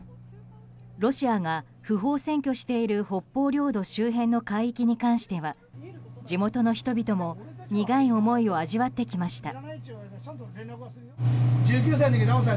ロシアが不法占拠している北方領土周辺の海域に関しては地元の人々も苦い思いを味わってきました。